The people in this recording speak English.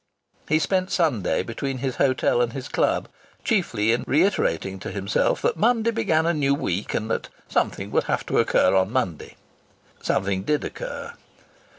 He spent Sunday between his hotel and his club, chiefly in reiterating to himself that Monday began a new week and that something would have to occur on Monday. Something did occur.